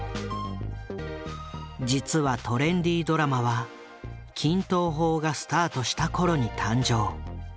実はトレンディドラマは均等法がスタートした頃に誕生。